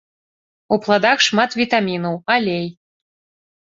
У пладах шмат вітамінаў, алей.